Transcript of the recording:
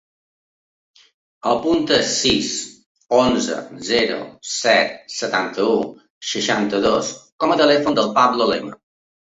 Apunta el sis, onze, zero, set, setanta-u, seixanta-dos com a telèfon del Pablo Lema.